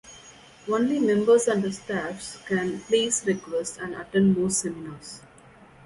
Only Members and their staffs can place requests and attend most seminars.